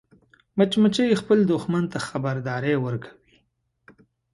مچمچۍ خپل دښمن ته خبرداری ورکوي